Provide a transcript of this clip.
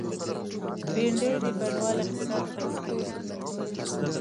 بېنډۍ د بڼوال اقتصاد قوي کوي